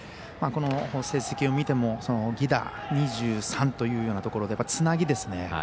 この成績を見ても犠打２３というところでつなぎですね。